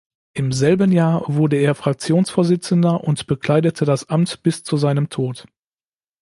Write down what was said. Im selben Jahr wurde er Fraktionsvorsitzender und bekleidete das Amt bis zu seinem Tod.